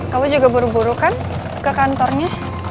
kamu juga buru buru kan ke kantornya